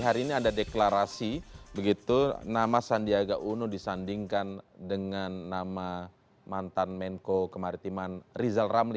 hari ini ada deklarasi begitu nama sandiaga uno disandingkan dengan nama mantan menko kemaritiman rizal ramli